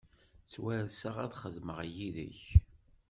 Ttwarseɣ ad xedmeɣ yid-k.